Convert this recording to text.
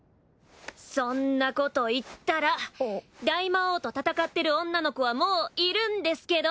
そんなこと言ったら大魔王と戦ってる女の子はもういるんですけど？